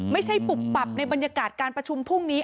ปุบปับในบรรยากาศการประชุมพรุ่งนี้